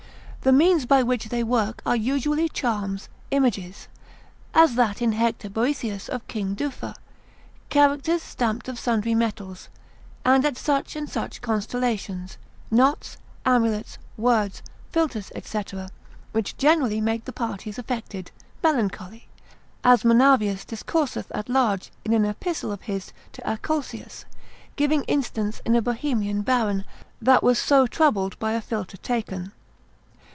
The means by which they work are usually charms, images, as that in Hector Boethius of King Duffe; characters stamped of sundry metals, and at such and such constellations, knots, amulets, words, philters, &c., which generally make the parties affected, melancholy; as Monavius discourseth at large in an epistle of his to Acolsius, giving instance in a Bohemian baron that was so troubled by a philter taken.